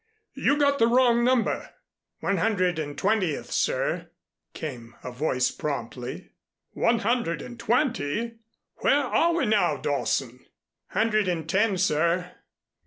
"You got the wrong number." "One Hundred and Twentieth, sir," came a voice promptly. "One Hundred and Twenty! Where are we now, Dawson?" "Hundred and Ten, sir."